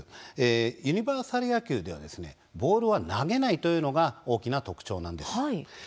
ユニバーサル野球ではボールは投げないというのが大きな特徴です。